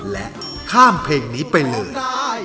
และข้ามเพลงนี้ไปเลย